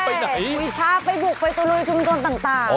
ไปหน่อยภาพไอ้บุกไปตะลุยชุมชนต่าง